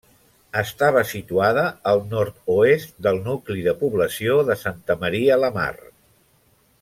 Estava situada al nord-oest del nucli de població de Santa Maria la Mar.